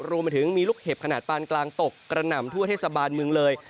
รวมไปถึงมีลูกเห็บขนาดปานกลางตกกระหน่ำทั่วเทศบาลเมืองเลย